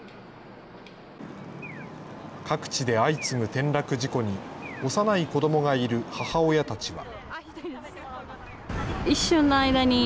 各地で相次ぐ転落事故に、幼い子どもがいる母親たちは。